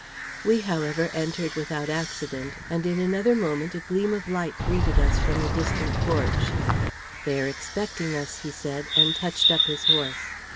We, however, entered without accident, and in another moment a gleam of light greeted us from the distant porch. "They are expecting us," he said, and touched up his horse.